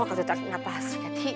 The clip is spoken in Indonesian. sok aku tarik nafas